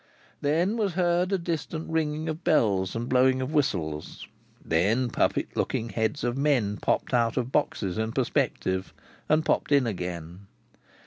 Then, was heard a distant ringing of bells and blowing of whistles. Then, puppet looking heads of men popped out of boxes in perspective, and popped in again.